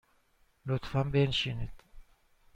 لطفاً بنشینید.